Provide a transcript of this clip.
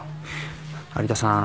有田さん